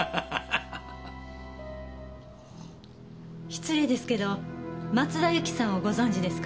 失礼ですけど松田由紀さんをご存じですか？